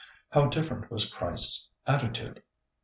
How different was Christ's attitude!